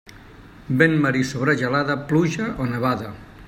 Vent marí sobre gelada, pluja o nevada.